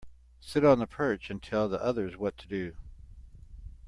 Sit on the perch and tell the others what to do.